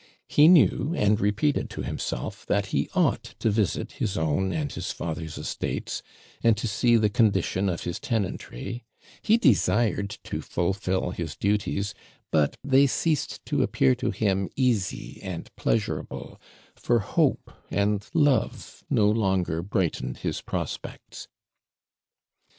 He knew, and repeated to himself, that he ought to visit his own and his father's estates, and to see the condition of his tenantry; he desired to fulfil his duties, but they ceased to appear to him easy and pleasurable, for hope and love no longer brightened his prospects.